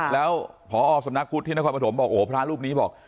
แล้วผอสำนักพุทธินความประถมบอกโอ้พระรูปนี้บอก